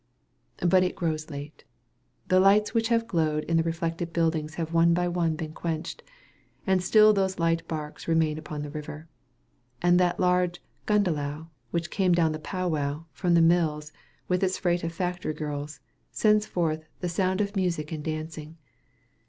But it grows late. The lights which have glowed in the reflected buildings have one by one been quenched, and still those light barks remain upon the river. And that large "gundelow," which came down the Powow, from the mills, with its freight of "factory girls," sends forth "the sound of music and dancing."